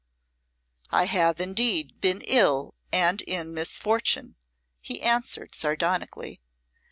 "I have indeed been ill and in misfortune," he answered, sardonically.